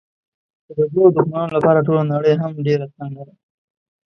خو د دوو دښمنانو لپاره ټوله نړۍ هم ډېره تنګه ده.